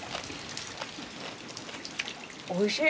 おいしい！